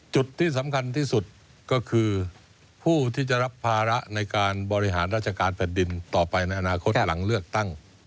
จุดที่สำคัญที่สุดก็คือผู้ที่จะรับภาระในการบริหารราชการแผ่นดินต่อไปในอนาคตหลังเลือกตั้ง